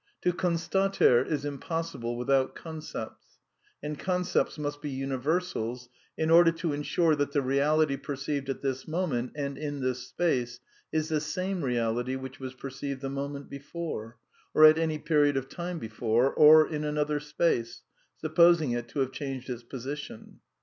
To constater is impossiblejwithouLxsQQCepts. And con cepts must be universals m order to ensure that the reality perceived at this moment and in this space is the same reality which was perceived the moment before, or at any period of time before, or in another space, supposing it to have changed its position.